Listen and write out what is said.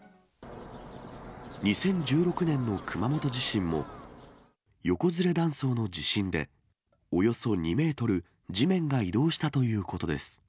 ２０１６年の熊本地震も、横ずれ断層の地震で、およそ２メートル地面が移動したということ